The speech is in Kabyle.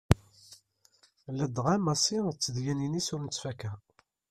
Ladɣa Massi d tedyanin-is ur nettfakka.